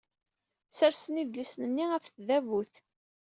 Ssersen idlisen-nni ɣef tdabut.